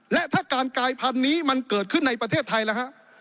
และถ้าการกายพันธุ์นี้มันเกิดขึ้นในประเทศไทยแล้วฮะ